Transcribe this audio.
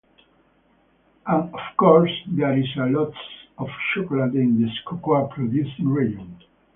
And of course there is lots of chocolate in this cocoa producing region.